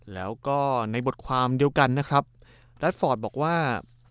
แล้วก็ในบทความเดียวกันนะครับรัฐฟอร์ดบอกว่า